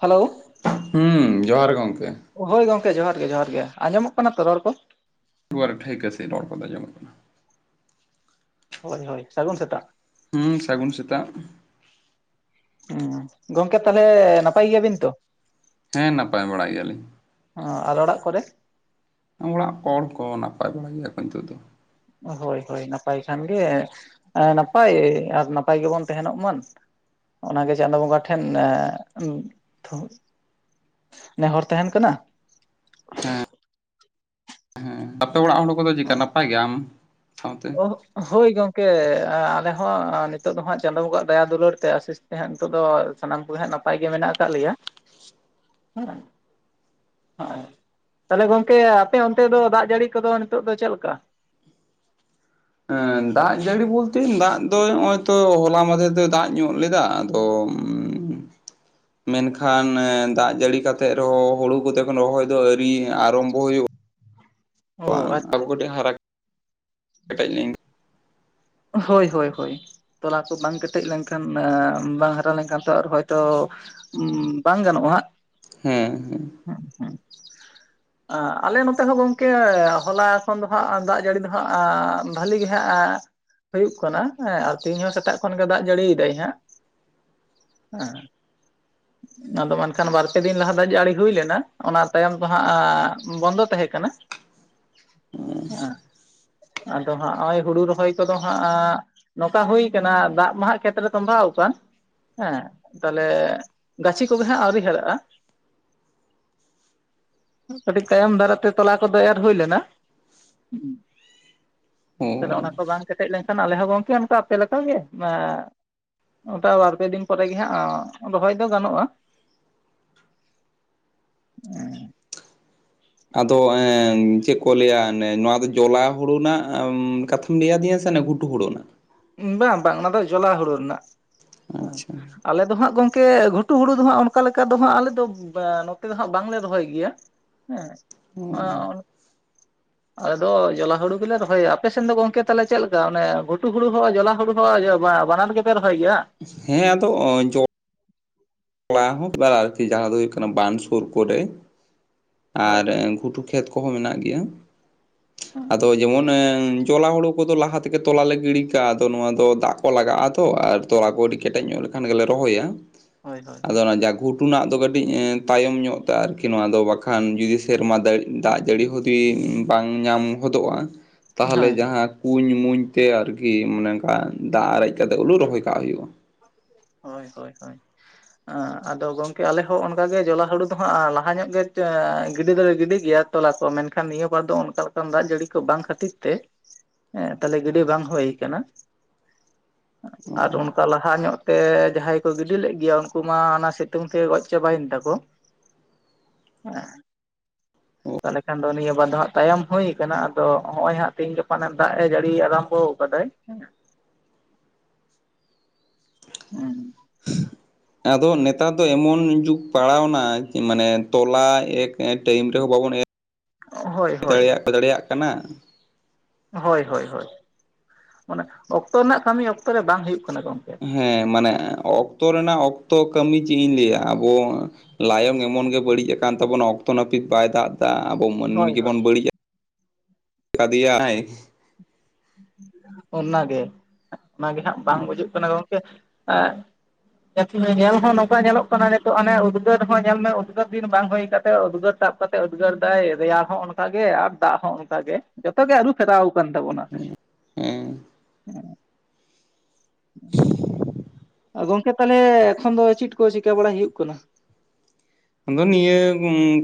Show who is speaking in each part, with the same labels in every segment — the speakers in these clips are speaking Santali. Speaker 1: ᱦᱮᱞᱳ
Speaker 2: ᱦᱮᱸ ᱡᱚᱦᱟᱨ ᱜᱚᱢᱠᱮ
Speaker 1: ᱦᱳᱭ ᱜᱚᱝᱠᱮ ᱡᱚᱦᱟᱨ ᱜᱮ ᱡᱚᱦᱟᱨ ᱜᱮ ᱟᱸᱡᱚᱢᱚᱜ ᱠᱟᱱᱟ ᱛᱚ ᱨᱚᱲ ᱠᱚ
Speaker 2: ᱫᱣᱟᱨ ᱴᱷᱟᱹᱭᱤᱠ ᱟ ᱥᱮᱮ ᱨᱚᱲ ᱠᱚᱫᱟ ᱡᱚᱝᱚᱢᱚᱜ ᱠᱟᱱᱟ [unintelligible]
Speaker 1: ᱦᱳᱭ ᱦᱳᱭ ᱥᱟᱹᱜᱩᱱ ᱥᱮᱛᱟᱜ
Speaker 2: ᱦᱩᱸ ᱥᱟᱹᱜᱩᱱ ᱥᱮᱛᱟᱜ
Speaker 1: ᱦᱮᱸ ᱜᱚᱝᱠᱮ ᱛᱟ ᱦᱚᱞᱮ ᱱᱟᱯᱟᱭ ᱜᱮᱭᱟ ᱵᱤᱱ ᱛᱚ
Speaker 2: ᱦᱮᱸ ᱱᱟᱯᱟᱭ ᱵᱟᱲᱟᱭ ᱜᱮᱭᱟ ᱞᱤᱧ
Speaker 1: ᱦᱮᱸ ᱟᱨ ᱚᱲᱟᱜ ᱠᱚᱨᱮ?
Speaker 2: ᱚᱲᱟᱜ ᱦᱚᱲ ᱠᱚ ᱱᱟᱯᱟᱭ ᱵᱟᱲᱟᱭ ᱜᱮᱭᱟ ᱠᱚ ᱱᱤᱛᱚᱜ ᱫᱚ
Speaker 1: ᱦᱳᱭ ᱦᱳᱭ ᱱᱟᱯᱟᱭ ᱠᱷᱟᱱ ᱜᱮ ᱱᱟᱯᱟᱭ ᱟᱨ ᱱᱟᱯᱟᱭ ᱜᱮᱵᱚᱱ ᱛᱟᱦᱮᱱᱚᱜ ᱢᱟ ᱚᱱᱟ ᱜᱮ ᱪᱟᱸᱫ ᱵᱚᱸᱜᱟ ᱴᱷᱮᱱ ᱱᱮᱦᱚᱨ ᱛᱟᱦᱮᱱ ᱠᱟᱱᱟ
Speaker 2: ᱦᱮᱸ ᱟᱯᱮ ᱚᱲᱟᱜ ᱦᱚᱲ ᱠᱚᱫᱚ ᱪᱮᱠᱟ ᱱᱟᱯᱟᱭ ᱜᱮ ᱟᱢ ᱥᱟᱶ ᱛᱮ
Speaker 1: ᱦᱳᱭ ᱜᱚᱝᱠᱮ ᱟᱞᱮ ᱦᱚᱸ ᱱᱤᱛᱚᱜ ᱫᱚ ᱦᱟᱸᱜ ᱪᱟᱸᱫᱚ ᱵᱚᱝᱜᱟ ᱫᱟᱭᱟ ᱫᱩᱞᱟᱹᱲ ᱛᱮ ᱟᱥᱤᱥ ᱱᱤᱛᱚᱜ ᱫᱚ ᱥᱟᱱᱟᱢ ᱠᱚᱜᱮ ᱦᱟᱸᱜ ᱱᱟᱯᱟᱭ ᱜᱮ ᱢᱮᱱᱟᱜ ᱟᱠᱟᱫ ᱞᱮᱭᱟ ᱦᱮᱸ ᱦ ᱛᱟᱦᱚᱞᱮ ᱜᱚᱝᱠᱮ ᱟᱯᱮ ᱚᱱᱛᱮ ᱫᱚ ᱫᱟᱜ ᱡᱟᱹᱲᱤ ᱠᱚᱫᱚ ᱱᱤᱛᱚ ᱫᱚ ᱪᱮᱫ ᱞᱮᱠᱟ
Speaker 2: ᱫᱟᱜ ᱡᱟᱹᱲᱤ ᱵᱚᱞᱛᱮ ᱫᱟᱜ ᱫᱚ ᱱᱚᱜ ᱚᱭ ᱛᱚ ᱦᱚᱞᱟ ᱢᱟᱦᱟᱸᱫᱮᱨ ᱫᱚ ᱫᱟᱜ ᱧᱚᱜ ᱞᱮᱫᱟ ᱟᱫᱚ ᱦ [inaudible]
Speaker 1: [inaudible]
Speaker 2: ᱢᱮᱱᱠᱷᱟᱱ ᱫᱟᱜ ᱡᱟᱹᱲᱤ ᱠᱟᱛᱮᱫ ᱨᱮᱦᱚᱸ ᱦᱩᱲᱩ ᱠᱚᱛᱮ ᱨᱚᱦᱚᱭ ᱫᱚ ᱟᱹᱨᱤ ᱟᱨᱢᱵᱚ ᱦᱩᱭᱩᱜᱼᱟ
Speaker 1: ᱚ
Speaker 2: ᱵᱟᱝ
Speaker 1: ᱟᱪᱪᱷᱟ
Speaker 2: ᱟᱵᱚ
Speaker 1: ᱟᱪᱪᱷᱟ
Speaker 2: ᱠᱟᱹᱴᱤᱡ ᱦᱟᱨᱟ ᱠᱮᱴᱮᱡ ᱠᱤᱱᱜ
Speaker 1: ᱦᱳᱭ ᱦᱳᱭ ᱦᱳᱭ ᱛᱚᱞᱟ ᱠᱚ ᱵᱟᱝ ᱠᱮᱴᱮᱡ ᱞᱮᱱᱠᱷᱟᱱ ᱵᱟᱝ ᱦᱟᱨᱟ ᱞᱮᱱᱠᱷᱟᱱ ᱛᱚ ᱨᱳᱦᱳᱭ ᱵᱟᱝ ᱜᱟᱱᱚᱜᱼᱟ ᱦᱟᱸᱜ
Speaker 2: ᱦᱮᱸ ᱦᱮᱸ
Speaker 1: ᱦᱮᱸ ᱦᱮᱸ ᱟᱞᱮ ᱱᱚᱛᱮ ᱦᱚᱸ ᱜᱚᱝᱠᱮ ᱦᱚᱞᱟᱠᱷᱚᱱ ᱫᱚᱦᱟᱸᱜ ᱫᱟᱜ ᱡᱟᱹᱲᱤ ᱫᱚ ᱦᱟᱸᱜ ᱵᱷᱟᱹᱞᱤ ᱜᱮᱦᱟᱸᱜ ᱦᱩᱭᱩᱜ ᱠᱟᱱᱟ ᱦᱮᱸ ᱛᱮᱦᱧ ᱦᱚᱸ ᱥᱮᱛᱟᱜ ᱠᱷᱚᱱ ᱜᱮ ᱫᱟᱜ ᱡᱟᱹᱲᱤᱭ ᱫᱟᱭ ᱦᱟᱸᱜ ᱦᱮᱸ ᱚᱱᱟ ᱫᱚ ᱢᱮᱱᱠᱷᱟᱱ ᱵᱟᱨᱯᱮ ᱫᱤᱱ ᱞᱟᱦᱟ ᱫᱚ ᱡᱟᱹᱲᱤ ᱦᱩᱭ ᱞᱮᱱᱟ ᱚᱱᱟ ᱛᱟᱭᱚᱢ ᱫᱚ ᱦᱟᱸᱜ ᱵᱚᱱᱫᱚ ᱛᱟᱦᱮᱸ ᱠᱟᱱᱟ ᱮ ᱟᱫᱚ ᱦᱟᱸᱜ ᱦᱚᱸᱜᱼᱚᱭ ᱦᱩᱲᱩ ᱨᱚᱦᱚᱭ ᱠᱚᱫᱚ ᱦᱟᱸᱜ ᱱᱚᱝᱠᱟ ᱦᱩᱭᱠᱟᱱᱟ ᱫᱟᱜ ᱢᱟᱦᱟᱜ ᱠᱷᱮᱛᱨᱮ ᱛᱚᱢᱵᱟᱣᱟ ᱟᱠᱟᱱ ᱦᱮᱸ ᱛᱟᱦᱚᱞᱮ ᱜᱟᱪᱷᱤ ᱠᱚᱜᱮ ᱦᱟᱜ ᱟᱹᱣᱨᱤ ᱦᱟᱨᱟᱜᱼᱟ ᱠᱟᱹᱴᱤᱡ ᱛᱟᱭᱚᱢ ᱫᱟᱨᱟ ᱛᱮ ᱛᱚᱞᱟ ᱠᱚᱫᱚ ᱮᱨ ᱦᱩᱭ ᱞᱮᱱᱟ ᱛᱟᱦᱚᱞᱮ
Speaker 2: ᱚ
Speaker 1: ᱚᱱᱟ ᱠᱚ ᱵᱟᱝ ᱠᱮᱴᱮᱡ ᱞᱮᱱᱠᱷᱟᱱ ᱟᱞᱮ ᱦᱚᱸ ᱜᱚᱢᱠᱮ ᱚᱱᱠᱟ ᱟᱯᱮ ᱞᱮᱠᱟᱜᱮ ᱴᱟ ᱵᱟᱨ ᱯᱮ ᱫᱤᱱ ᱯᱚᱨᱮᱜ ᱜᱮ ᱦᱟᱸᱜ ᱨᱚᱦᱚᱭ ᱫᱚ ᱜᱟᱱᱚᱜᱼᱟ ᱦᱮᱸ
Speaker 2: ᱟᱫᱚ ᱪᱮᱫ ᱠᱚ ᱞᱟᱹᱭᱟ ᱱᱚᱣᱟ ᱫᱚ ᱡᱚᱞᱟ ᱦᱩᱲᱩ ᱨᱮᱱᱟᱜ ᱠᱟᱛᱷᱟ ᱞᱟᱹᱭᱫᱤᱧ ᱥᱮ ᱜᱷᱩᱴᱩ ᱦᱩᱲᱩ ᱨᱮᱱᱟᱜ
Speaker 1: ᱵᱟᱝ ᱵᱟᱝ ᱚᱱᱟ ᱫᱚ ᱡᱚᱞᱟ ᱦᱩᱲᱩ ᱨᱮᱱᱟᱜ ᱦᱮᱸ
Speaker 2: ᱟᱪᱪᱷᱟ
Speaker 1: ᱟᱞᱮ ᱫᱚ ᱦᱟᱸᱜ ᱜᱚᱝᱠᱮ ᱞᱟᱹᱴᱩ ᱦᱩᱲᱩ ᱫᱚ ᱦᱟᱸᱜ ᱚᱱᱠᱟ ᱞᱮᱠᱟ ᱫᱚ ᱦᱟᱜ ᱟᱞᱮ ᱫᱚ ᱱᱚᱛᱮ ᱫᱚ ᱦᱟᱸᱜ ᱵᱟᱝᱞᱮ ᱨᱚᱦᱚᱭ ᱜᱮᱭᱟ ᱦᱮᱸ ᱚ ᱟᱞᱮ ᱫᱚ ᱡᱚᱞᱟ ᱦᱩᱲᱩ ᱜᱮᱞᱮ ᱨᱚᱦᱚᱭᱟ ᱟᱯᱮᱥᱮᱫ ᱫᱚ ᱜᱚᱝᱠᱮ ᱛᱟᱞᱮ ᱪᱮᱫ ᱞᱮᱠᱟ ᱚᱱᱮ ᱜᱷᱩᱴᱩ ᱦᱩᱲᱩ ᱦᱚᱸ ᱡᱚᱞᱟ ᱦᱩᱲᱩ ᱦᱚᱸ ᱵᱟᱱᱟᱨ ᱜᱮᱯᱮ ᱨᱚᱦᱚᱭ ᱜᱮᱭᱟ
Speaker 2: ᱦᱮᱸ ᱟᱫᱚ ᱡ ᱟᱨᱠᱤ ᱡᱟᱦᱟᱸ ᱫᱚ ᱦᱩᱭᱩᱜ ᱠᱟᱱᱟ ᱵᱟᱱᱫ ᱥᱩᱨ ᱠᱚ
Speaker 1: ᱦᱳᱭ
Speaker 2: ᱟᱨ
Speaker 1: ᱦᱳᱭ
Speaker 2: ᱜᱷᱩᱴᱩ ᱠᱷᱮᱛ ᱠᱚᱦᱚᱸ ᱢᱮᱱᱟᱜ ᱜᱮᱭᱟ ᱟᱫᱚ ᱡᱮᱢᱚᱱ ᱛᱚᱞᱟ ᱦᱩᱲᱩ ᱠᱚᱫᱚ ᱞᱟᱦᱟ ᱛᱮᱜᱮ ᱛᱚᱞᱟᱮ ᱜᱤᱰᱤ ᱠᱟᱜᱼᱟ ᱟᱫᱚ ᱱᱚᱣᱟ ᱫᱚ ᱫᱟᱜ ᱠᱚ ᱞᱟᱜᱟᱜᱼᱟ ᱛᱚ ᱟᱨ ᱛᱚᱞᱟ ᱠᱚ ᱟᱹᱰᱤ ᱠᱮᱴᱮᱡ ᱧᱚᱜ ᱞᱮ ᱟᱱ ᱜᱮᱞᱮ ᱨᱚᱦᱚᱭᱟ
Speaker 1: ᱦᱳᱭ ᱦᱳᱭ
Speaker 2: ᱟᱫᱚ ᱚᱱᱟ ᱡᱟ ᱜᱷᱩᱴᱩᱱᱟᱜ ᱫᱚ ᱠᱟᱹᱴᱤᱡ ᱮ ᱛᱟᱭᱚᱢ ᱧᱚᱜ ᱛᱮ ᱟᱨᱠᱤ ᱱᱚᱣᱟ ᱫᱚ ᱵᱟᱠᱷᱟᱱ ᱡᱩᱫᱤ ᱥᱮᱨᱢᱟ ᱫᱟᱲᱮᱜ ᱫᱟᱜ ᱡᱟᱹᱲᱤ ᱦᱩᱫᱤ ᱵᱟᱝ ᱧᱟᱢ ᱦᱚᱫᱚᱜᱼᱟ ᱛᱟᱦᱚᱞᱮ
Speaker 1: ᱦᱳᱭ
Speaker 2: ᱡᱟᱦᱟ ᱠᱩᱧ ᱢᱩᱧ ᱛᱮ ᱟᱨᱠᱤ ᱢᱚᱱᱮ ᱚᱱᱠᱟ ᱫᱟᱜ ᱟᱨᱮᱡ ᱠᱟᱛᱮ ᱦᱩᱲᱩ ᱨᱚᱦᱚᱭ ᱠᱟᱜ ᱦᱩᱭᱩᱜᱼᱟ
Speaker 1: ᱦᱳᱭ ᱦᱳᱭ ᱦᱳᱭ ᱟᱫᱚ ᱜᱚᱝᱠᱮ ᱟᱞᱮ ᱦᱚᱸ ᱚᱱᱠᱟᱜ ᱜᱮ ᱡᱚᱞᱟ ᱦᱩᱲᱩ ᱫᱚ ᱦᱟᱸᱜ ᱞᱟᱦᱟ ᱧᱚᱜ ᱜᱮ ᱜᱤᱰᱤ ᱫᱚᱞᱮ ᱜᱤᱰᱤ ᱜᱮᱭᱟ ᱛᱚᱞᱟ ᱠᱚᱣᱟ ᱢᱮᱱᱠᱷᱟᱱ ᱱᱤᱭᱟᱹ ᱵᱟᱨ ᱫᱚ ᱚᱱᱠᱟ ᱞᱮᱠᱟᱱ ᱫᱟᱜ ᱡᱟᱹᱲᱤ ᱠᱚ ᱵᱟᱝ ᱠᱷᱟᱹᱛᱤᱨ ᱛᱮ ᱦᱮᱸ ᱛᱟᱦᱞᱮ ᱜᱟᱹᱰᱤ ᱵᱟᱝ ᱦᱩᱭ ᱠᱟᱱᱟ ᱟᱨ ᱚᱱᱠᱟ ᱞᱟᱦᱟ ᱧᱚᱜ ᱛᱮ ᱡᱟᱦᱟᱸᱭ ᱠᱚ ᱜᱤᱰᱤ ᱞᱮᱫ ᱜᱮᱭᱟ ᱩᱱᱠᱩ ᱢᱟ ᱚᱱᱟ ᱥᱤᱛᱩᱝ ᱛᱮ ᱜᱚᱡ ᱪᱟᱵᱟᱭᱮᱱ ᱛᱟᱠᱚ ᱦᱮᱸ ᱛᱟᱦᱚᱞᱮ ᱠᱷᱟᱱ ᱫᱚ ᱱᱤᱭᱟᱹ ᱵᱟᱨ ᱫᱚ ᱦᱟᱸᱜ ᱛᱟᱭᱚᱢ ᱦᱩᱭᱩ ᱟᱠᱟᱱᱟ ᱟᱫᱚ ᱱᱚᱜ ᱚᱚᱭ ᱦᱟᱸᱜ ᱛᱮᱦᱤᱧ ᱜᱟᱯᱟᱮᱢ ᱫᱟᱜ ᱮ ᱡᱟᱹᱲᱤ ᱟᱨᱚᱢ ᱦᱚ ᱵᱟᱰᱟᱭ ᱠᱟᱱᱟ ᱦᱩᱸ
Speaker 2: ᱟᱫᱚ ᱱᱮᱛᱟᱨ ᱫᱚ ᱮᱢᱚᱱ ᱡᱩᱜᱽ ᱯᱟᱲᱟᱣᱱᱟ ᱢᱟᱱᱮ ᱛᱚᱞᱟ ᱮᱠ ᱴᱟᱭᱤᱢ ᱨᱮᱦᱚᱸ ᱵᱟᱵᱚᱱ ᱮᱨ
Speaker 1: ᱦᱳᱭ ᱦᱳᱭ
Speaker 2: ᱫᱟᱲᱮᱭᱟᱜ ᱫᱟᱲᱮᱭᱟᱜ ᱠᱟᱱᱟ
Speaker 1: ᱦᱳᱭ ᱦᱳᱭ ᱦᱳᱭ ᱢᱟᱱᱮ ᱚᱠᱛᱚ ᱨᱮᱱᱟᱜ ᱠᱟᱹᱢᱤ ᱚᱠᱛᱚ ᱨᱮ ᱵᱟᱝ ᱦᱩᱭᱩᱜ ᱠᱟᱱᱟ ᱜᱚᱝᱠᱮ
Speaker 2: ᱦᱮᱸ ᱢᱟᱱᱮ ᱚᱠᱛᱚ ᱨᱮᱱᱟᱜ ᱚᱠᱛᱚ ᱠᱟᱹᱢᱤ ᱪᱮᱜ ᱤᱧ ᱞᱮᱭᱟ ᱟᱵᱚ ᱞᱟᱭᱚᱝ ᱮᱢᱚᱱ ᱜᱮ ᱵᱟᱹᱲᱤᱡ ᱟᱠᱟᱱ ᱛᱟᱵᱚᱱᱟ ᱚᱠᱛᱚ ᱱᱟᱹᱯᱤᱛ ᱵᱟᱭ ᱫᱟᱜ ᱫᱟ ᱟᱵᱚ ᱢᱟᱹᱱᱢᱤ
Speaker 1: ᱦᱳᱭ ᱦᱳᱭ
Speaker 2: ᱜᱮᱵᱚᱱ ᱵᱟᱹᱲᱤᱡᱼᱟ ᱠᱟᱫᱮᱭᱟᱭ
Speaker 1: ᱚᱱᱟᱜᱮ ᱚᱱᱟᱜᱮ ᱦᱟᱸᱜ ᱵᱟᱝ ᱵᱩᱡᱩᱜ ᱠᱟᱱᱟ ᱜᱚᱝᱠᱮ [unintelligible] ᱧᱮᱞ ᱦᱚ ᱱᱚᱝᱠᱟᱭ ᱧᱮᱞᱚᱜ ᱠᱟᱱᱟ ᱱᱤᱛᱚᱜ ᱦᱟᱱᱮ ᱩᱫᱽᱜᱟᱹᱨ ᱦᱚᱸ ᱧᱮᱞ ᱢᱮ ᱩᱫᱽᱜᱟᱹᱨ ᱫᱤᱱ ᱵᱟᱝ ᱦᱳᱭ ᱠᱟᱛᱮᱜ ᱩᱫᱽᱜᱟᱹᱨ ᱛᱟᱵ ᱠᱟᱛᱮ ᱩᱫᱽᱜᱟᱹᱨ ᱫᱟᱭ ᱨᱮᱭᱟᱲ ᱦᱚᱸ ᱚᱱᱠᱟᱜ ᱜᱮ ᱟᱨ ᱫᱟᱜ ᱦᱚᱸ ᱚᱱᱠᱟᱜ ᱜᱮ ᱡᱚᱛᱚ ᱜᱮ ᱟᱹᱨᱩ ᱯᱷᱮᱨᱟᱣ ᱠᱟᱱ ᱛᱟᱵᱚᱱᱟ
Speaker 2: ᱦᱮᱸ
Speaker 1: ᱦᱮᱸ [inaudible] ᱟᱹ ᱜᱚᱝᱠᱮ ᱛᱟᱦᱚᱞᱮ ᱮᱠᱷᱚᱱ ᱫᱚ ᱪᱤᱫ‌ ᱠᱚ ᱪᱤᱠᱟᱹ ᱵᱟᱲᱟᱭ ᱦᱩᱭᱩᱜ ᱠᱟᱱᱟ
Speaker 2: ᱟᱫᱚ ᱱᱤᱭᱟᱹ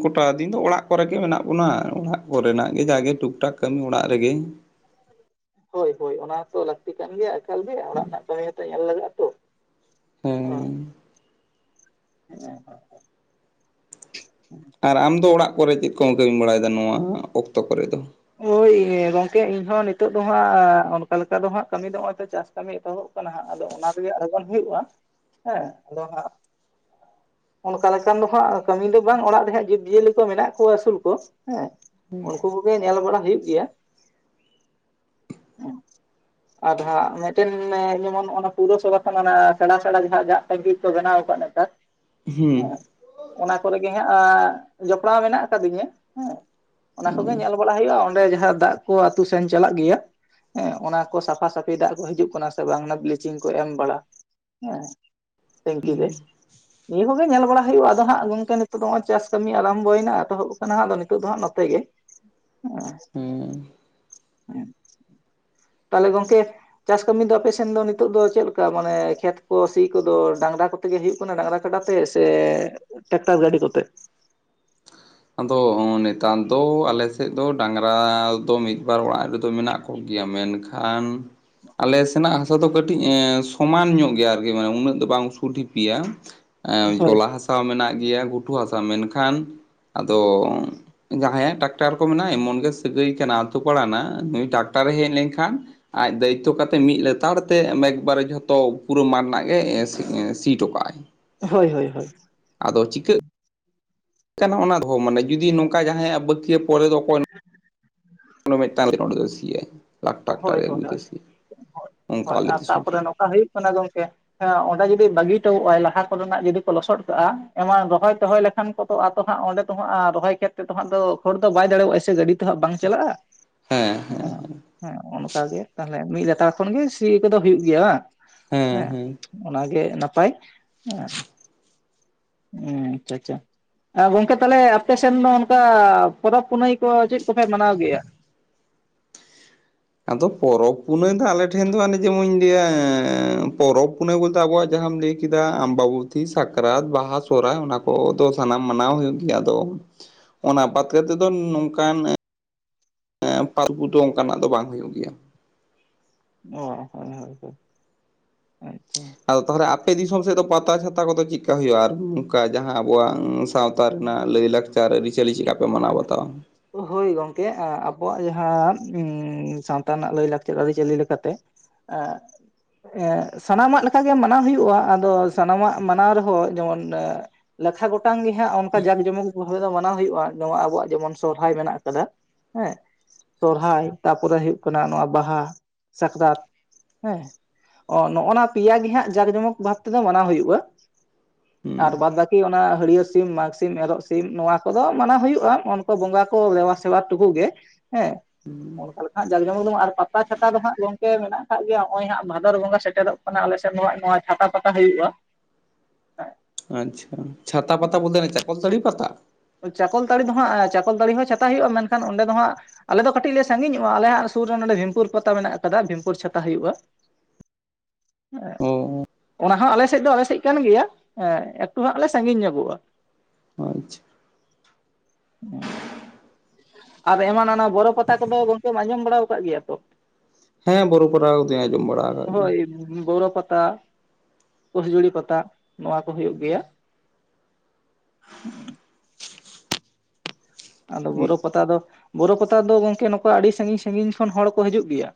Speaker 2: ᱠᱚᱴᱟ ᱫᱤᱱ ᱫᱚ ᱚᱲᱟᱜ ᱠᱚᱨᱮᱜ ᱜᱮ ᱢᱮᱱᱟᱜ ᱵᱚᱱᱟ ᱚᱲᱟᱜ ᱠᱚᱨᱮᱱᱟᱜ ᱜᱮ ᱡᱟᱜᱮ ᱴᱩᱠ ᱴᱟᱠ ᱠᱟᱹᱢᱤ ᱚᱲᱟᱜ ᱨᱮᱜᱮ
Speaker 1: ᱦᱳᱭ ᱦᱳᱭ ᱚᱱᱟᱛᱚ ᱞᱟᱹᱠᱛᱤ ᱠᱟᱱ ᱜᱮᱭᱟ ᱮᱠᱟᱞ ᱜᱮ ᱚᱲᱟᱜ ᱨᱮᱱᱟᱜ ᱠᱟᱹᱢᱤ ᱦᱚᱸᱛᱚ ᱧᱮᱞ ᱞᱟᱜᱟᱜ-ᱟ ᱛᱚ
Speaker 2: ᱦᱮᱸ
Speaker 1: [unintelligible]
Speaker 2: ᱟᱨ ᱟᱢ ᱫᱚ ᱚᱲᱟᱜ ᱠᱚᱨᱮᱪ ᱪᱮᱫ ᱠᱚᱢ ᱠᱟᱹᱢᱤ ᱵᱟᱲᱟᱭᱮᱫᱟ ᱱᱚᱣᱟ ᱚᱠᱛᱚ ᱠᱚᱨᱮ ᱫᱚ
Speaker 1: ᱦᱳᱭ ᱜᱚᱝᱠᱮ ᱤᱧᱦᱚᱸ ᱱᱤᱛᱚᱜ ᱫᱚ ᱦᱟᱸᱜ ᱚᱱᱠᱟ ᱞᱮᱠᱟ ᱫᱚ ᱦᱟᱸᱜ ᱠᱟᱹᱢᱤ ᱫᱚ ᱱᱚᱜᱼᱚᱭ ᱛᱚ ᱪᱟᱥ ᱠᱟᱹᱢᱤ ᱮᱛᱚᱦᱚᱵ ᱠᱟᱱᱟ ᱦᱟᱸᱜ ᱟᱫᱚ ᱚᱱᱟ ᱛᱮᱜᱮ ᱟᱲᱜᱚᱱ ᱦᱩᱭᱩᱜᱼᱟ ᱦᱮᱸ ᱟᱫᱚ ᱦᱟᱸᱜ ᱚᱱᱠᱟ ᱞᱮᱠᱟᱱ ᱫᱚ ᱦᱟᱸᱜ ᱠᱟᱹᱢᱤ ᱫᱚ ᱵᱟᱝ ᱚᱲᱟᱜ ᱨᱮᱦᱟᱸᱜ ᱡᱤᱵᱽ ᱡᱤᱭᱟᱹᱞᱤ ᱠᱚ ᱢᱮᱱᱟᱜ ᱠᱚᱣᱟ ᱟᱹᱥᱩᱞ ᱠᱚ ᱦᱮᱸ ᱩᱱᱠᱩ ᱠᱚᱜᱮ ᱧᱮᱞ ᱵᱟᱲᱟ ᱦᱩᱭᱩᱜ ᱜᱮᱭᱟ [inaudible] ᱟᱨ ᱦᱟᱸᱜ ᱢᱮᱫᱴᱮᱱ ᱡᱮᱢᱚᱱ ᱯᱩᱨᱚᱥᱚᱵᱷᱟᱱ ᱦᱟᱱᱮ ᱥᱮᱬᱟ ᱥᱮᱬᱟ ᱡᱟᱦᱟᱸ ᱟᱡᱟᱜ [unintelligible] ᱠᱟ ᱵᱮᱱᱟᱣ ᱠᱟᱜ ᱱᱮᱛᱟᱨ ᱦᱮᱸ
Speaker 2: ᱦᱩᱸ
Speaker 1: ᱚᱱᱟ ᱠᱚᱨᱮᱜᱮ ᱦᱟᱸᱜ ᱡᱚᱯᱲᱟᱣ ᱢᱮᱱᱟᱜ ᱠᱟᱫᱤᱧᱟᱹ ᱦᱮᱸ ᱚᱱᱟ ᱠᱚᱜᱮ ᱧᱮᱞ ᱦᱟᱹᱭᱩᱜᱼᱟ᱾ ᱚᱸᱰᱮ ᱡᱟᱦᱟᱸ ᱫᱟᱜ ᱠᱚ ᱟᱛᱩ ᱥᱮᱱ ᱪᱟᱞᱟᱜ ᱜᱮᱭᱟ ᱮᱸ ᱚᱱᱟ ᱠᱚ ᱥᱟᱯᱷᱟ ᱥᱟᱹᱯᱷᱤ ᱫᱟᱜ ᱠᱚ ᱦᱤᱡᱩᱜ ᱠᱟᱱᱟ ᱥᱮ ᱵᱟᱝ ᱚᱱᱟ ᱵᱞᱮᱪᱤᱝ ᱠᱚ ᱮᱢ ᱵᱟᱲᱟ ᱦᱮᱸ ᱴᱮᱝᱠᱤ ᱨᱮ ᱱᱤᱭᱟᱹ ᱠᱚᱜᱮ ᱧᱮᱞ ᱵᱟᱲᱟ ᱦᱩᱭᱩᱜᱼᱟ ᱟᱫᱚ ᱦᱟᱸᱜ ᱜᱚᱝᱠᱮ ᱱᱤᱛᱳ ᱫᱚ ᱚᱜᱼᱚᱭ ᱪᱟᱥ ᱠᱟᱹᱢᱤ ᱟᱨᱟᱢᱵᱚᱭᱱᱟ ᱮᱛᱚᱦᱚᱵ ᱠᱟᱱᱟ ᱟᱫᱚ ᱱᱤᱛᱚᱜ ᱫᱚ ᱦᱟᱸᱜ ᱱᱚᱛᱮ ᱜᱮ
Speaker 2: ᱦᱮᱸ
Speaker 1: [inaudible] ᱛᱟᱦᱚᱞᱮ ᱜᱚᱝᱠᱮ ᱪᱟᱥ ᱠᱟᱹᱢᱤ ᱫᱚ ᱟᱯᱮᱥᱮᱱ ᱫᱚ ᱱᱤᱛᱚᱜ ᱫᱚ ᱪᱮᱫᱞᱮᱠᱟ, ᱢᱟᱱᱮ ᱠᱷᱮᱛ ᱠᱚ ᱥᱤ ᱠᱚᱫᱚ ᱰᱟᱝᱨᱟ ᱠᱚ ᱛᱮᱜᱮ ᱦᱩᱭᱩᱜ ᱠᱟᱱᱟ ᱰᱟᱝᱨᱟ ᱠᱟᱰᱟ ᱛᱮ ᱥᱮ ᱴᱮᱠᱴᱟᱨ ᱜᱟᱹᱰᱤ ᱠᱚᱛᱮ
Speaker 2: ᱟᱫᱚ ᱱᱤᱛᱟᱨ ᱫᱚ ᱟᱞᱮᱥᱮᱜ ᱫᱚ ᱰᱟᱝᱨᱟ ᱫᱚ ᱢᱤᱫ ᱵᱟᱨ ᱚᱲᱟᱜ ᱨᱮᱫᱚ ᱢᱮᱱᱟᱜ ᱠᱚᱜᱮᱭᱟ ᱢᱮᱱᱠᱷᱟᱱ ᱟᱞᱮ ᱥᱮᱱᱟᱜ ᱦᱟᱥᱟ ᱫᱚ ᱠᱟᱹᱴᱤᱡ ᱮᱸ ᱥᱚᱢᱟᱱ ᱧᱚᱜ ᱜᱮᱭᱟ ᱟᱨᱠᱤ ᱢᱟᱱᱮ ᱩᱱᱟᱹᱜ ᱫᱚ ᱵᱟᱝ ᱩᱥᱩᱞ ᱰᱷᱤᱯᱤᱭᱟ ᱮᱸ
Speaker 1: ᱦᱳᱭ
Speaker 2: ᱡᱷᱚᱞᱟ ᱦᱟᱥᱟ ᱢᱮᱱᱟᱜ ᱜᱮᱭᱟ ᱜᱷᱩᱴᱩ ᱦᱟᱥᱟ ᱢᱮᱱᱠᱷᱟᱱ ᱟᱫᱚ ᱡᱟᱦᱟᱸᱭᱟᱜ ᱴᱟᱠᱴᱟᱨ ᱠᱚ ᱢᱮᱱᱟᱜᱼᱟ ᱮᱢᱚᱱ ᱜᱮ ᱥᱟᱹᱜᱟᱹᱭ ᱠᱟᱱᱟ ᱟᱛᱳ ᱯᱟᱲᱟ ᱱᱟᱹᱜ ᱱᱩᱭ ᱴᱟᱠᱴᱟᱨᱮᱭ ᱦᱮᱡ ᱞᱮᱱᱠᱷᱟᱱ ᱟᱡ ᱫᱟᱭᱤᱛᱛᱚ ᱠᱟᱛᱮᱜ ᱢᱤᱫ ᱞᱮᱛᱟᱲ ᱛᱮ ᱮᱠᱵᱟᱨᱮ ᱡᱷᱚᱛᱚ ᱯᱩᱨᱟᱹ ᱢᱟᱴ ᱨᱮᱱᱟᱜ ᱜᱮ ᱥᱤ ᱥᱤᱴᱚᱠᱟᱜᱼᱟᱭ
Speaker 1: ᱦᱳᱭ ᱦᱳᱭ ᱦᱳᱭ
Speaker 2: ᱟᱫᱚ ᱪᱤᱠᱟᱹᱜ ᱠᱟᱱᱟ ᱚᱱᱟ ᱫᱚ ᱢᱟᱱᱮ ᱡᱩᱫᱤ ᱱᱚᱝᱠᱟ ᱡᱟᱦᱟᱸᱭᱟᱜ ᱵᱟᱹᱠᱤᱭᱟ ᱠᱚᱨᱮ ᱫᱚ ᱚᱠᱚᱭᱮ [unintelligible] ᱚᱱᱮ ᱢᱮᱫ ᱴᱟᱝ ᱞᱟᱹᱜᱤᱫ ᱟᱸᱰᱮ ᱫᱚ ᱥᱤᱭᱟᱭ ᱞᱟᱠᱷ ᱴᱟᱠ
Speaker 1: ᱦᱳᱭ
Speaker 2: ᱴᱟᱨᱮ
Speaker 1: ᱦᱳᱭ
Speaker 2: ᱟᱹᱜᱩᱭ
Speaker 1: ᱦᱳᱭ
Speaker 2: ᱛᱮ ᱥᱤᱭᱟᱭ
Speaker 1: ᱦᱳᱭ
Speaker 2: ᱚᱱᱠᱟ
Speaker 1: ᱦᱳᱭ ᱟᱨ
Speaker 2: ᱟᱞᱮᱛᱮ ᱥᱚᱝᱥᱟᱨ
Speaker 1: ᱛᱟᱯᱚᱨᱮ ᱱᱚᱝᱠᱟ ᱦᱳᱭᱳᱜ ᱠᱟᱱᱟ ᱜᱚᱝᱠᱮ ᱚᱸᱰᱮ ᱡᱩᱫᱤᱭ ᱵᱟᱹᱜᱤ ᱴᱚᱜᱼᱟᱭ ᱞᱟᱦᱟ ᱠᱚᱨᱮᱱᱟᱜ ᱡᱩᱫᱤ ᱠᱚ ᱞᱚᱥᱚᱰ ᱠᱟᱜᱼᱟ ᱮᱢᱟᱱ ᱨᱚᱦᱚᱭ ᱛᱚᱦᱚᱭ ᱞᱮᱠ ᱠᱷᱟᱱ ᱠᱚᱛᱚ ᱟᱨ ᱛᱚ ᱦᱟᱸᱜ ᱚᱸᱰᱮ ᱟᱨ ᱨᱚᱦᱚᱭ ᱠᱷᱮᱛ ᱛᱮᱫᱚ ᱦᱟᱸᱜ ᱫᱚ ᱠᱷᱚᱲ ᱫᱚ ᱵᱟᱭ ᱫᱟᱲᱮᱭᱟᱜᱼᱟᱭ ᱥᱮ ᱜᱟᱹᱰᱤ ᱛᱮ ᱦᱟᱸᱜ ᱵᱟᱝ ᱪᱟᱞᱟᱜᱼᱟ
Speaker 2: ᱦᱮᱸ ᱦᱮᱸ
Speaker 1: ᱚᱸ ᱦᱮᱸ ᱚᱱᱠᱟ ᱜᱮ ᱛᱟᱦᱞᱮ ᱢᱤᱜ ᱞᱮᱛᱟᱲ ᱠᱷᱚᱱ ᱜᱮ ᱥᱤ ᱠᱚᱫᱚ ᱦᱩᱭᱩᱜ ᱜᱮᱭᱟ ᱵᱟᱝ
Speaker 2: ᱦᱮᱸ ᱦᱮᱸ
Speaker 1: ᱚᱱᱟᱜᱮ ᱱᱟᱯᱟᱭ ᱮᱸ ᱦᱩᱸ ᱟᱪᱪᱷᱟ ᱟᱪᱪᱷᱟ ᱟᱸ ᱜᱚᱝᱠᱮ ᱛᱟᱦᱚᱞᱮ ᱟᱯᱮ ᱥᱮᱱ ᱫᱚ ᱚᱱᱠᱟ ᱯᱚᱨᱚᱵᱽ ᱯᱩᱱᱟᱹᱭ ᱠᱚ ᱪᱮᱜ ᱠᱚᱯᱮ ᱢᱟᱱᱟᱣ ᱜᱮᱭᱟ?
Speaker 2: ᱟᱫᱚ ᱯᱚᱨᱚᱵᱽ ᱯᱩᱱᱟᱹᱭ ᱫᱚ ᱟᱞᱮ ᱴᱷᱮᱱ ᱫᱚ ᱦᱟᱸᱜ ᱱᱤᱡᱮᱢᱚᱧ ᱞᱮᱭᱟ ᱯᱚᱨᱚᱵᱽ ᱯᱩᱱᱟᱹᱭ ᱵᱚᱞᱛᱮ ᱟᱵᱚᱣᱟᱜ ᱡᱟᱦᱟᱸᱢ ᱞᱮᱭ ᱠᱤᱫᱟ ᱟᱢᱵᱟᱵᱩᱛᱤ ᱥᱟᱠᱨᱟᱛ ᱵᱟᱦᱟ ᱥᱚᱨᱦᱟᱭ ᱚᱱᱟ ᱠᱚᱫᱚ ᱥᱟᱱᱟᱢ ᱢᱟᱱᱟᱣ ᱦᱩᱭᱩᱜ ᱜᱮᱭᱟ ᱚᱫᱟ ᱚᱱᱟ ᱵᱟᱫ ᱠᱟᱛᱮᱜ ᱫᱚ ᱱᱚᱝᱠᱟᱱ ᱦᱮᱸ ᱯᱷᱟᱹᱜᱩ ᱫᱚ ᱚᱱᱠᱟᱱᱟᱜ ᱫᱚ ᱵᱟᱝ ᱦᱩᱭᱩᱜ ᱜᱮᱭᱟ᱾
Speaker 1: ᱚ ᱦᱳᱭ ᱦᱳᱭ ᱟᱪᱪᱷᱟ
Speaker 2: ᱛᱟᱦᱚᱞᱮ ᱟᱯᱮ ᱫᱤᱥᱚᱢ ᱥᱮᱫ ᱫᱚ ᱯᱟᱛᱟ ᱪᱷᱟᱛᱟ ᱠᱚᱫᱚ ᱪᱮᱫᱠᱟ ᱦᱳᱭᱳᱜᱼᱟ ᱟᱨ ᱱᱚᱝᱠᱟ ᱡᱟᱦᱟᱸ ᱟᱵᱚᱣᱟᱝ ᱥᱟᱶᱛᱟ ᱥᱟᱶᱛᱟ ᱨᱮᱱᱟᱜ ᱞᱟᱹᱭ ᱞᱟᱠᱪᱟᱨ ᱪᱮᱜᱠᱟ ᱯᱮ ᱢᱟᱱᱟᱣ ᱵᱟᱛᱟᱣᱟ
Speaker 1: ᱦᱳᱭ ᱜᱚᱝᱠᱮ ᱟᱵᱚᱣᱟᱜ ᱡᱟᱦᱟᱸ ᱥᱟᱶᱛᱟ ᱨᱮᱱᱟᱜ ᱞᱟᱹᱭ ᱞᱟᱠᱪᱟᱨ ᱟᱹᱨᱤᱪᱟᱹᱞᱤ ᱞᱮᱠᱟᱛᱮ [unintelligible] ᱥᱟᱱᱟᱢᱟᱜ ᱞᱮᱠᱟᱜᱮ ᱢᱟᱱᱟᱣ ᱦᱩᱭᱩᱜᱼᱟ ᱟᱫᱚ ᱥᱟᱱᱟᱢᱟᱜ ᱢᱟᱱᱟᱣ ᱨᱮᱦᱚᱸ ᱡᱮᱢᱚᱱ ᱞᱮᱠᱷᱟ ᱜᱚᱴᱟᱝ ᱜᱮ ᱦᱟᱸᱜ ᱚᱱᱠᱟ ᱡᱟᱠ ᱡᱚᱢᱚᱠ ᱫᱚ ᱦᱟᱹᱜ ᱚᱱᱟᱦᱚ ᱦᱩᱭᱩᱜᱼᱟ ᱱᱚᱶᱟ ᱟᱵᱚᱣᱟᱜ ᱡᱮᱢᱚᱱ ᱥᱚᱨᱦᱟᱭ ᱢᱮᱱᱟᱜ ᱟᱠᱟᱫᱟ ᱦᱮᱸ ᱥᱚᱨᱦᱟᱭ ᱛᱟᱯᱚᱨᱮ ᱦᱳᱭᱩᱜ ᱠᱟᱱᱟ ᱱᱚᱶᱟ ᱵᱟᱦᱟ ᱥᱟᱠᱨᱟᱛ ᱦᱮᱸ ᱚ ᱱᱚᱜ ᱚᱭ ᱱᱟ ᱯᱮᱭᱟ ᱜᱤ ᱦᱟᱸᱜ ᱡᱟᱸᱠ ᱡᱚᱢᱚᱠ ᱵᱷᱟᱵ ᱛᱮᱫᱚ ᱢᱟᱱᱟᱣ ᱦᱩᱭᱩᱜᱼᱟ᱾ ᱟᱨ
Speaker 2: ᱦᱩᱸ
Speaker 1: ᱵᱟᱫᱽ ᱵᱟᱹᱠᱤ ᱚᱱᱟ ᱦᱟᱹᱲᱭᱟᱹᱨ ᱥᱤᱢ ᱢᱟᱜᱽ ᱥᱤᱢ ᱢᱮᱨᱚᱜ ᱥᱤᱢ ᱱᱚᱶᱟ ᱾ ᱠᱚᱫᱚ ᱢᱟᱱᱟ ᱦᱩᱭᱩᱜᱼᱟ ᱚᱱᱠᱚ ᱵᱚᱸᱜᱟ ᱠᱚ ᱫᱮᱵᱟ ᱥᱮᱵᱟ ᱴᱩᱠᱩ ᱜᱮ ᱦᱮᱸ
Speaker 2: ᱦᱩᱸ
Speaker 1: ᱚᱱᱠᱟ ᱞᱮᱠᱟ ᱦᱟᱸᱜ ᱡᱟᱠᱡᱚᱢᱚᱠ ᱫᱚᱢ ᱟᱨ ᱯᱟᱛᱟ ᱪᱷᱟᱛᱟ ᱫᱚ ᱦᱟᱸᱜ ᱜᱚᱝᱠᱮ ᱢᱮᱱᱟᱜ ᱟᱠᱟᱜ ᱜᱮᱭᱟ ᱦᱚᱸᱜᱼᱚᱭ ᱦᱟᱜ ᱵᱷᱟᱫᱚᱨ ᱵᱚᱸᱜᱟ ᱥᱮᱴᱮᱨᱚᱜ ᱢᱟᱱᱮ ᱟᱞᱮ ᱥᱮᱫ ᱢᱟ ᱱᱚᱶᱟ ᱪᱷᱟᱛᱟ ᱯᱟᱛᱟ ᱦᱳᱭᱳᱜᱼᱟ ᱦᱮᱸ
Speaker 2: ᱟᱪᱪᱷᱟ ᱪᱷᱟᱛᱟ ᱯᱟᱛᱟ ᱵᱳᱞᱛᱮ ᱦᱟᱱᱮ ᱪᱟᱠᱚᱞᱛᱟᱹᱲᱤ ᱯᱟᱛᱟ
Speaker 1: ᱪᱟᱠᱚᱞᱛᱟᱹᱲᱤ ᱫᱚ ᱦᱟᱸᱜ ᱪᱟᱠᱚᱞᱛᱟᱹᱲᱤ ᱦᱚᱸ ᱪᱷᱟᱛᱟ ᱦᱳᱭᱳᱜᱼᱟ ᱢᱮᱱᱠᱷᱟᱱ ᱚᱸᱰᱮ ᱫᱚ ᱦᱟᱸᱜ ᱟᱞᱮ ᱫᱚ ᱠᱟᱹᱴᱤᱡ ᱞᱮ ᱥᱟᱺᱜᱤᱧᱚᱜᱼᱟ ᱟᱞᱮᱭᱟᱜ ᱥᱩᱨ ᱨᱮ ᱱᱚᱰᱮ ᱵᱷᱤᱢᱯᱩᱨ ᱯᱟᱛᱟ ᱢᱮᱱᱟᱜ ᱟᱠᱟᱫᱟ ᱵᱷᱤᱢᱯᱩᱨ ᱪᱷᱟᱛᱟ ᱦᱩᱭᱩᱜᱼᱟ ᱮᱸᱜ
Speaker 2: ᱚ
Speaker 1: ᱚᱱᱟ ᱦᱚᱸ ᱟᱞᱮᱥᱮᱫ ᱫᱚ ᱟᱞᱮᱥᱮᱫ ᱠᱟᱱ ᱜᱮᱭᱟ ᱮᱠᱴᱩ ᱦᱟᱸᱜ ᱞᱮ ᱥᱟᱺᱜᱤᱧ ᱧᱚᱜᱚᱜᱼᱟ᱾
Speaker 2: ᱟᱸᱪᱷᱟ
Speaker 1: [inaudible] ᱟᱨ ᱮᱢᱟᱱᱟᱱᱟ ᱵᱚᱨᱚ ᱯᱟᱛᱟ ᱠᱚᱫᱚ ᱜᱚᱝᱠᱮᱢ ᱟᱸᱡᱚᱢ ᱵᱟᱲᱟ ᱟᱠᱟᱫ ᱜᱮᱭᱟ ᱛᱚ
Speaker 2: ᱦᱮᱸ ᱵᱚᱨᱚ ᱯᱚᱨᱟᱣ ᱠᱚᱫᱚᱧ ᱟᱸᱡᱚᱢ ᱵᱟᱲᱟ ᱟᱠᱟᱫ ᱜᱮᱭᱟ᱾
Speaker 1: ᱵᱳᱨᱳ ᱯᱟᱛᱟ ᱯᱩᱥᱡᱩᱲᱤ ᱯᱟᱛᱟ ᱱᱚᱶᱟ ᱠᱚ ᱦᱳᱭᱩᱜ ᱜᱮᱭᱟ ᱟᱫᱚ ᱵᱳᱨᱳ
Speaker 2: ᱜᱮᱭᱟ
Speaker 1: ᱯᱟᱛᱟ ᱫᱚ ᱵᱳᱨᱳ ᱯᱟᱛᱟ ᱫᱚ ᱜᱚᱝᱠᱮ ᱱᱚᱝᱠᱟ ᱟᱹᱰᱤ ᱥᱟᱺᱜᱤᱧ ᱥᱟᱺᱜᱤᱧ ᱠᱷᱚᱱ ᱦᱚᱲ ᱠᱚ ᱦᱤᱡᱩᱜ ᱜᱮᱭᱟ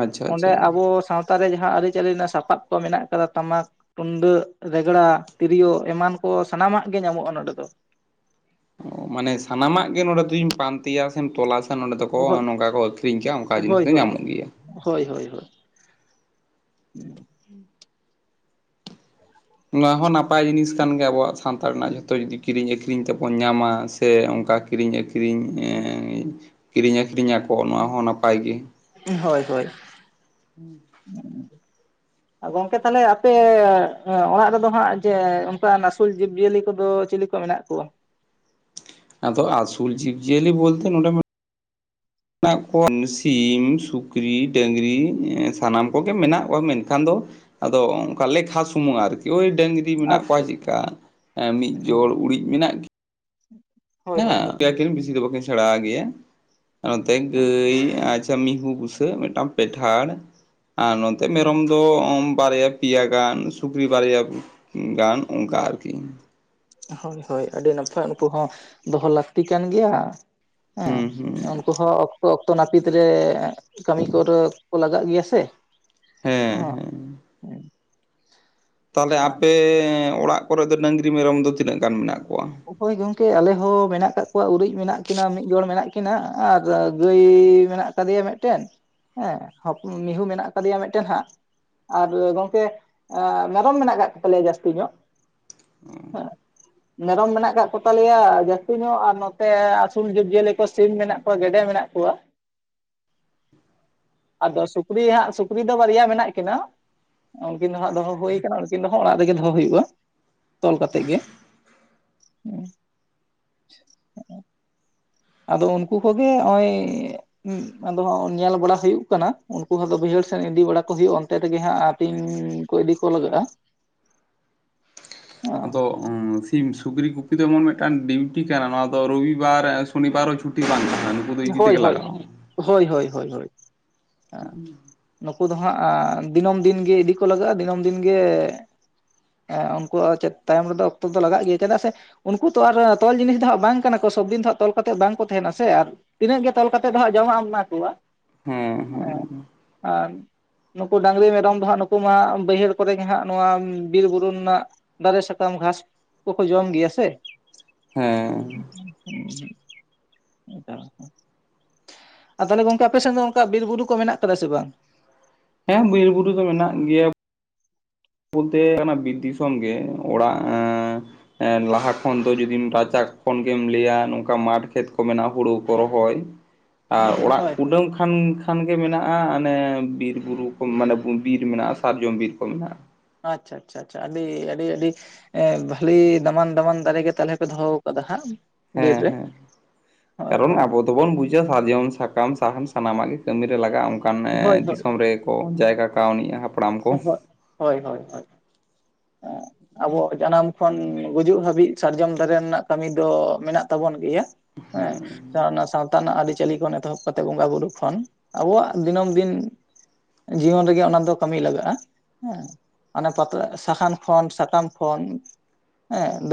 Speaker 2: ᱟᱪᱪᱷᱟ
Speaker 1: ᱚᱸᱰᱮ
Speaker 2: ᱟᱪᱪᱷᱟ
Speaker 1: ᱟᱵᱚ ᱥᱟᱶᱛᱟ ᱨᱮ ᱡᱟᱦᱟᱸ ᱟᱹᱨᱤᱪᱟᱹᱞᱤ ᱨᱮᱱᱟᱜ ᱥᱟᱯᱟᱵ ᱠᱚ ᱢᱮᱱᱟᱜ ᱟᱠᱟᱫᱟ ᱴᱟᱢᱟᱠ ᱛᱩᱢᱫᱟᱹᱜ ᱨᱮᱜᱽᱲᱟ ᱛᱤᱨᱭᱳ ᱮᱢᱟᱱ ᱠᱚ ᱥᱟᱱᱟᱢᱟᱜ ᱜᱮ ᱧᱟᱢᱚᱜᱼᱟ ᱱᱚᱰᱮ ᱫᱚ
Speaker 2: ᱚ ᱢᱟᱱᱮ ᱥᱟᱱᱟᱢᱟᱜ ᱜᱮ ᱱᱚᱰᱮ ᱫᱩᱧ ᱯᱟᱱᱛᱮᱭᱟ ᱥᱮᱢ ᱛᱚᱞᱟᱥ ᱱᱚᱸᱰᱮ ᱫᱚᱠᱚ
Speaker 1: ᱦᱳᱭ
Speaker 2: ᱱᱚᱝᱠᱟ ᱠᱚ ᱟᱹᱠᱷᱨᱤᱧ ᱠᱮᱭᱟ ᱚᱝᱠᱟ ᱡᱤᱱᱤᱥ
Speaker 1: ᱦᱳᱭ
Speaker 2: ᱫᱚ ᱧᱟᱢᱚᱜ ᱜᱮᱭᱟ᱾
Speaker 1: ᱦᱳᱭ ᱦᱳᱭ ᱦᱳᱭ
Speaker 2: [inaudible] ᱱᱚᱶᱟ ᱦᱚᱸ ᱱᱟᱯᱟᱭ ᱡᱤᱱᱤᱥ ᱠᱟᱱ ᱜᱮᱭᱟ ᱟᱵᱚᱣᱟᱜ ᱥᱟᱱᱛᱟᱲ ᱨᱮᱱᱟᱜ ᱡᱷᱚᱛᱚ ᱡᱩᱫᱤ ᱠᱤᱨᱤᱧ ᱟᱠᱷᱨᱤᱧ ᱛᱮᱵᱚᱱ ᱧᱟᱢᱟ᱾ ᱥᱮ ᱚᱝᱠᱟ ᱠᱤᱨᱤᱧ ᱟᱹᱠᱷᱨᱤᱧ ᱮᱸᱻ ᱠᱤᱨᱤᱧ ᱟᱹᱠᱷᱨᱤᱧ ᱟᱠᱚ ᱱᱚᱣᱟ ᱦᱚᱸ ᱱᱟᱯᱟᱭ ᱜᱮ
Speaker 1: ᱦᱳᱭ ᱦᱳᱭ
Speaker 2: [unintelligible]
Speaker 1: [inaudible] ᱜᱚᱝᱠᱮ ᱛᱟᱦᱚᱞᱮ ᱟᱯᱮ ᱚᱲᱟᱜ ᱨᱮᱫᱚ ᱦᱟᱸᱜ ᱡᱮ ᱚᱱᱠᱟ ᱱᱟᱹᱥᱩᱞ ᱡᱤᱵᱽ ᱡᱤᱭᱟᱹᱞᱤ ᱠᱚᱫᱚ ᱪᱤᱞᱤ ᱠᱚ ᱢᱮᱱᱟᱜ ᱠᱚᱣᱟ
Speaker 2: ᱟᱫᱚ ᱟᱥᱩᱞ ᱡᱤᱵᱽ ᱡᱤᱭᱟᱹᱞᱤ ᱵᱳᱞᱛᱮ ᱱᱚᱰᱮ ᱢᱟ
Speaker 1: [inaudible]
Speaker 2: ᱢᱮᱱᱟᱜ ᱠᱚᱣᱟ ᱥᱤᱢ ᱥᱩᱠᱨᱤ ᱰᱟᱹᱝᱨᱤ ᱥᱟᱱᱟᱢ ᱠᱚᱜᱮ ᱢᱮᱱᱟᱜ ᱠᱚᱣᱟ ᱢᱮᱱᱠᱷᱟᱱ ᱫᱚ ᱟᱫᱚ ᱚᱝᱠᱟ ᱞᱮᱠᱷᱟ ᱥᱩᱢᱩᱝ ᱟᱨᱠᱤ ᱳᱭ ᱰᱟᱹᱝ [inaudible] ᱢᱮᱱᱟᱜ ᱠᱚᱣᱟ
Speaker 1: ᱟᱪᱪᱷᱟ
Speaker 2: ᱪᱮᱫᱠᱟ ᱢᱤᱫ ᱡᱚᱲ ᱩᱲᱤᱡ ᱢᱮᱱᱟᱜ ᱜᱤ [inaudible]
Speaker 1: ᱦᱳᱭ ᱦᱳᱭ ᱦᱳᱭ
Speaker 2: ᱦᱮ [inaudible] ᱟᱹᱠᱤᱱ ᱵᱮᱥᱤ ᱫᱚ ᱵᱟᱹᱠᱤᱱ ᱥᱮᱬᱟ ᱜᱮᱭᱟ ᱟᱨ ᱱᱚᱛᱮ
Speaker 1: ᱦᱳᱭ
Speaker 2: ᱜᱟᱹᱭ ᱢᱤᱦᱩ ᱵᱩᱥᱟᱹᱜ ᱢᱮᱫᱴᱟᱝ ᱯᱮᱴᱷᱟᱲ ᱟᱨ ᱱᱚᱛᱮ ᱢᱮᱨᱚᱢ ᱫᱚ ᱵᱟᱨᱭᱟ ᱯᱮᱭᱟ ᱜᱟᱱ ᱥᱩᱠᱨᱤ ᱵᱟᱨᱭᱟ ᱜᱟᱱ ᱚᱝᱠᱟ ᱟᱨᱠᱤ
Speaker 1: ᱦᱳᱭ ᱦᱳᱭ ᱟᱹᱰᱤ ᱱᱟᱯᱟᱭ ᱩᱱᱠᱩ ᱦᱚᱸ ᱫᱚᱦᱚ ᱞᱟᱹᱠᱛᱤ ᱠᱟᱱ ᱜᱮᱭᱟ ᱦᱮᱸ ᱩᱱᱠᱩ ᱦᱚᱸ ᱚᱠᱛᱚ ᱚᱠᱛᱚ ᱱᱟᱹᱯᱤᱛ ᱨᱮ ᱠᱟᱹᱢᱤ ᱠᱚᱨᱮ ᱠᱚ ᱞᱟᱜᱟᱜ ᱜᱮᱭᱟ ᱥᱮ
Speaker 2: ᱦᱮᱸ
Speaker 1: ᱦᱚᱸ
Speaker 2: ᱦᱮᱸ ᱛᱟᱦᱚᱞᱮ ᱟᱯᱮ ᱚᱲᱟᱜ ᱠᱚᱨᱮᱫ ᱫᱚ ᱰᱟᱹᱝᱨᱤ ᱢᱮᱨᱚᱢ ᱫᱚ ᱛᱤᱱᱟᱹᱜ ᱜᱟᱱ ᱢᱮᱱᱟᱜ ᱠᱚᱣᱟ
Speaker 1: ᱦᱳᱭ ᱜᱚᱝᱠᱮ ᱟᱞᱮ ᱦᱚᱸᱚᱸ ᱢᱮᱱᱟᱜ ᱟᱠᱟᱫ ᱠᱚᱣᱟ ᱩᱨᱤᱡ ᱢᱮᱱᱟᱜ ᱠᱤᱱᱟᱹ ᱢᱤᱫ ᱡᱚᱲ ᱢᱮᱱᱟᱜ ᱠᱤᱱᱟ ᱟᱨ ᱜᱟᱹᱭ ᱢᱮᱱᱟᱜ ᱠᱟᱫᱮᱭᱟ ᱢᱤᱫᱴᱮᱱ ᱦᱮᱸ ᱦᱚᱯ ᱢᱤᱦᱩ ᱢᱮᱱᱟᱜ ᱟᱠᱟᱫᱮᱭᱟ ᱢᱤᱫᱴᱮᱱ ᱦᱟᱸᱜ ᱟᱨ ᱜᱚᱝᱠᱮ ᱢᱮᱨᱚᱢ ᱢᱮᱱᱟᱜ ᱠᱟᱜ ᱠᱚᱛᱟᱞᱮᱭᱟ ᱡᱟᱹᱥᱛᱤ ᱧᱚᱜ ᱦᱮᱸ ᱢᱮᱨᱚᱢ ᱢᱮᱱᱟᱜ ᱟᱠᱟᱫ ᱠᱚᱛᱟᱞᱮᱭᱟ ᱡᱟᱹᱥᱛᱤ ᱧᱚᱜ ᱟᱨ ᱱᱚᱛᱮ ᱟᱹᱥᱩᱞ ᱡᱤᱵᱽᱡᱤᱭᱟᱹᱞᱤ ᱠᱚ ᱥᱤᱢ ᱢᱮᱱᱟᱜ ᱠᱚᱣᱟ ᱜᱮᱰᱮ ᱢᱮᱱᱟᱜ ᱠᱚᱣᱟ [unintelligible] ᱟᱫᱚ ᱥᱩᱠᱨᱤ ᱦᱟᱸᱜ ᱥᱩᱠᱨᱤ ᱫᱚ ᱵᱟᱨᱭᱟ ᱢᱮᱱᱟᱜ ᱠᱤᱱᱟᱹ ᱩᱱᱠᱤᱱ ᱫᱚ ᱦᱟᱸᱜ ᱫᱚᱦᱚ ᱦᱩᱭᱩᱠᱟᱱᱟ ᱩᱱᱠᱤᱱ ᱫᱚ ᱦᱟᱸᱜ ᱚᱲᱟᱜ ᱨᱮᱜᱮ ᱫᱚᱦᱚ ᱦᱩᱭᱩᱜᱼᱟ ᱛᱚᱞ ᱠᱟᱛᱮᱜ ᱜᱮ [unintelligible] ᱟᱫᱚ ᱩᱱᱠᱩ ᱠᱚᱜᱮ ᱚᱸᱭ ᱩᱸ ᱟᱫᱚ ᱧᱮᱞ ᱵᱟᱲᱟ ᱦᱩᱭᱩᱜ ᱠᱟᱱᱟ ᱩᱱᱠᱩ ᱦᱚᱸᱫᱚ ᱵᱟᱹᱭᱦᱟᱹᱲ ᱥᱮᱱ ᱤᱫᱤ ᱵᱟᱲᱟ ᱠᱚ ᱦᱩᱭᱩᱜᱼᱟ ᱚᱱᱛᱮ ᱛᱮᱜᱮ ᱦᱟᱸᱜ ᱛᱤᱧ ᱠᱚ ᱤᱫᱤ ᱠᱚ ᱞᱟᱜᱟᱜᱼᱟ
Speaker 2: ᱟᱫᱚ ᱥᱤᱢ ᱥᱩᱠᱨᱤ ᱠᱩᱯᱤ ᱫᱚ ᱮᱢᱚᱱ ᱢᱤᱫᱴᱟᱝ ᱰᱤᱩᱴᱤ ᱠᱟᱱᱟ ᱱᱚᱣᱟ ᱫᱚ ᱨᱚᱵᱤᱵᱟᱨ ᱥᱚᱱᱤ ᱵᱟᱨᱦᱚᱸ ᱪᱷᱩᱴᱤ ᱵᱟᱸᱝ ᱛᱟᱦᱮᱱᱟ ᱫᱚ ᱤᱫᱤ
Speaker 1: ᱦᱳᱭ
Speaker 2: ᱛᱮᱜᱮ
Speaker 1: ᱦᱳᱭ
Speaker 2: ᱞᱟᱜᱟᱜᱼᱟ
Speaker 1: ᱦᱳᱭ ᱦᱳᱭ ᱦᱳᱭ ᱱᱩᱠᱩ ᱫᱚ ᱦᱟᱸᱜ ᱫᱤᱱᱟᱹᱢ ᱫᱤᱱᱜ ᱤᱫᱤ ᱠᱚ ᱞᱟᱜᱟᱜᱼᱟ ᱫᱤᱱᱟᱹᱢ ᱫᱤᱱᱜᱮ ᱦᱮᱸ ᱩᱱᱠᱩᱣᱟᱜ ᱪᱮᱫ ᱛᱟᱭᱚᱢ ᱨᱮᱫᱚ ᱚᱠᱛᱚ ᱫᱚ ᱞᱟᱜᱟᱜ ᱜᱮᱭᱟ ᱪᱮᱫᱟᱜ ᱥᱮ ᱩᱱᱠᱩ ᱛᱚ ᱟᱨ ᱛᱚᱞ ᱡᱤᱱᱤᱥ ᱫᱚ ᱦᱟᱸᱜ ᱵᱟᱝ ᱠᱟᱱᱟ ᱠᱚ ᱥᱚᱵᱫᱤᱱ ᱫᱚ ᱦᱟᱸᱜ ᱛᱚᱞ ᱠᱟᱛᱮᱫᱚ ᱵᱟᱝᱠᱚ ᱛᱟᱦᱮᱱᱟ ᱥᱮ ᱟᱨ ᱛᱤᱱᱟᱹᱜ ᱜᱮ ᱛᱚᱞ ᱠᱟᱮᱫ ᱫᱚ ᱦᱟᱸᱜ ᱡᱚᱢᱟᱜ ᱮᱢ ᱮᱢᱟ ᱠᱚᱣᱟ
Speaker 2: ᱦᱮᱸ ᱦᱮᱸ
Speaker 1: ᱟᱨ ᱱᱩᱠᱩ ᱰᱟᱝᱨᱤ ᱢᱮᱨᱚᱢ ᱠᱚᱫᱚᱦᱟᱸᱜ ᱱᱩᱠᱩ ᱢᱟ ᱵᱟᱹᱭᱦᱟᱹᱲ ᱠᱚᱨᱮ ᱜᱮ ᱦᱟᱸᱜ ᱱᱚᱣᱟ ᱵᱤᱨ ᱵᱩᱨᱩ ᱨᱮᱱᱟᱜ ᱫᱟᱨᱮ ᱥᱟᱠᱟᱢ ᱜᱷᱟᱥ ᱠᱚᱠᱚ ᱡᱚᱢ ᱜᱮᱭᱟ ᱥᱮ
Speaker 2: ᱦᱮᱸ
Speaker 1: ᱟᱨ ᱛᱟᱦᱚᱞᱮ ᱜᱚᱝᱠᱮ ᱟᱯᱮ ᱥᱮᱫ ᱫᱚ ᱚᱱᱠᱟ ᱵᱤᱨ ᱵᱩᱨᱩ ᱠᱚ ᱢᱮᱱᱟᱜ ᱠᱟᱫᱟ ᱥᱮ ᱵᱟᱝ
Speaker 2: ᱦᱮᱸ ᱵᱤᱨ ᱵᱩᱨᱩ ᱫᱚ ᱢᱮᱱᱟᱜ ᱜᱮᱭᱟ ᱵᱚᱞᱛᱮ ᱚᱱᱟ ᱵᱤᱨ ᱫᱤᱥᱚᱢᱜᱮ ᱚᱲᱟᱜ ᱞᱟᱦᱟ ᱠᱷᱚᱱ ᱫᱚ ᱡᱩᱫᱤ ᱨᱟᱪᱟ ᱠᱷᱚᱱ ᱜᱮᱢ ᱞᱟᱹᱭᱟ ᱱᱚᱝᱠᱟ ᱢᱟᱴᱷ ᱠᱷᱮᱛ ᱠᱚ ᱢᱮᱱᱟᱜᱼᱟ ᱦᱩᱲᱩ ᱠᱚ ᱨᱚᱦᱚᱭ
Speaker 1: [inaudible]
Speaker 2: ᱚᱲᱟᱜ
Speaker 1: ᱦᱳᱭ ᱦᱳᱭ
Speaker 2: ᱠᱩᱰᱟᱹᱢ ᱠᱷᱟᱱ ᱠᱷᱟᱱ ᱜᱮ ᱢᱮᱱᱟᱜᱼᱟ ᱚᱱᱮ ᱵᱤᱨᱵᱩᱨᱩ ᱠᱚ ᱢᱟᱱᱮ ᱵᱤᱨ ᱢᱮᱱᱟᱜᱼᱟ ᱥᱟᱨᱡᱚᱢ ᱵᱤᱨᱠᱚ ᱢᱮᱱᱟᱜᱼᱟ
Speaker 1: ᱟᱪᱪᱷᱟ ᱟᱪᱪᱷᱟ ᱟᱪᱷᱟ ᱟᱹᱰᱤ ᱟᱹᱰᱤ ᱟᱹᱰᱤ ᱮ ᱵᱷᱟᱞᱤ ᱫᱟᱢᱟᱱ ᱫᱟᱢᱟᱱ ᱫᱟᱨᱮ ᱜᱮ ᱛᱟᱦᱚᱞᱮ ᱯᱮ ᱫᱚᱦᱚ ᱠᱟᱫᱟ ᱦᱟᱸᱜ ᱵᱤᱨ ᱨᱮ ᱦᱳᱭ ᱦᱳᱭ
Speaker 2: ᱛᱚᱵᱚᱱ ᱵᱩᱡᱷᱟ ᱥᱟᱨᱡᱚᱢ ᱥᱟᱠᱟᱢ ᱥᱟᱦᱟᱱ ᱥᱟᱱᱟᱢᱟᱜ ᱜᱮ ᱠᱟᱹᱢᱤᱨᱮ ᱞᱟᱜᱟᱜᱼᱟ ᱚᱱᱠᱟᱱ
Speaker 1: ᱦᱳᱭ ᱦᱳᱭ
Speaker 2: ᱫᱤᱥᱚᱢ ᱨᱮ ᱡᱟᱭᱜᱟ ᱠᱟᱹᱣᱱᱤᱭᱜᱼᱟ ᱦᱟ
Speaker 1: ᱳ ᱦᱳᱭ ᱦᱳᱭ ᱦᱳᱭ ᱦᱳᱭ ᱟᱵᱚ ᱡᱟᱱᱟᱢ ᱠᱷᱚᱱ ᱜᱩᱡᱩᱜ ᱦᱟᱹᱵᱤᱡ ᱥᱟᱨᱡᱚᱢ ᱫᱟᱨᱮ ᱨᱮᱱᱟᱜ ᱠᱟᱹᱢᱤ ᱫᱚ ᱢᱮᱱᱟᱜ ᱛᱟᱵᱚᱱ ᱜᱮᱭᱟ ᱦᱮᱸ [unintelligible] [unintelligible] ᱛᱟᱱᱟᱜ ᱟᱹᱨᱤᱪᱟᱹᱞᱤ ᱠᱷᱚᱱ ᱮᱛᱚᱦᱚᱵ ᱠᱟᱛᱮᱫ ᱵᱚᱸᱜᱟ ᱵᱩᱨᱩ ᱠᱷᱚᱱ ᱟᱵᱚᱣᱟᱜ ᱫᱤᱱᱟᱹᱢ ᱫᱤᱱ ᱡᱤᱭᱚᱱ ᱨᱮᱜᱮ ᱚᱱᱟ ᱫᱚ ᱠᱟᱹᱢᱤ ᱞᱟᱜᱟᱜᱼᱟ ᱦᱮᱸ ᱚᱱᱮ ᱯᱟᱛᱟ ᱥᱟᱦᱟᱱ ᱠᱷᱚᱱ ᱥᱟᱠᱟᱢ ᱠᱷᱚᱱ ᱦᱮᱸ